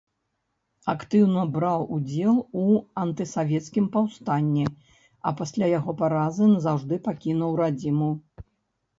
Актыўна браў удзел у антысавецкім паўстанні, а пасля яго паразы назаўжды пакінуў радзіму.